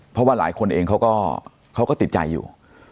เพราะว่าหลายคนเองเขาก็ติดใจอยู่